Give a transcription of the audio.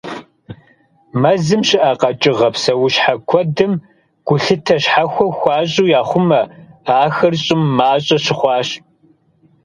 Мэзым щыӀэ къэкӀыгъэ, псэущхьэ куэдым гулъытэ щхьэхуэ хуащӀу яхъумэ: ахэр щӀым мащӀэ щыхъуащ.